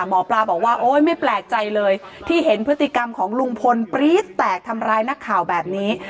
หมอปลาบอกว่าโอ๊ยไม่แปลกใจเลยที่เห็นพฤติกรรมของลุงพลปรี๊ดแตกทำร้ายนักข่าวแบบนี้